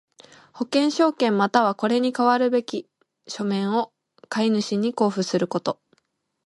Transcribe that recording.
保険証券又はこれに代わるべき書面を買主に交付すること。